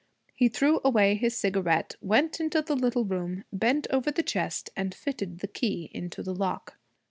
He threw away his cigarette, went into the little room, bent over the chest, and fitted the key into the lock.